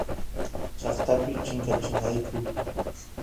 llaqtapi chinkachinakuy